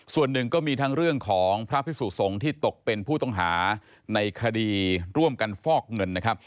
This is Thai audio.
ส่วนหนึ่งก็มีทั้งเรื่องของพระพิสุสงฆ์ที่ตกเป็นผู้ต้องหาในคดีร่วมกันฟอกเงินนะครับ